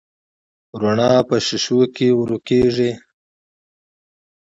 رڼا په شیشو کې ورو کېږي.